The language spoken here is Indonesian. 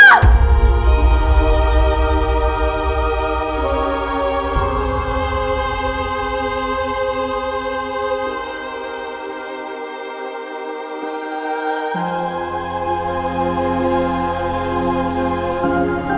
ini waktu kita berhenti